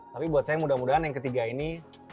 tapi buat saya mudah mudahan yang ketiga ini